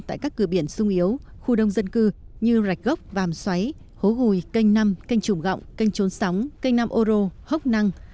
tại các cửa biển sung yếu khu đông dân cư như rạch gốc vàm xoáy hố hùi canh năm canh trùm gọng canh trốn sóng canh nam ô rô hốc năng